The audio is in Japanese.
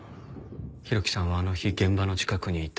浩喜さんはあの日現場の近くにいた。